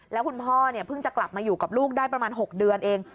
แล้วคุณพ่อเนี่ยเพิ่งจะกลับมาอยู่กับลูกได้ประมาณ๖เดือนเอง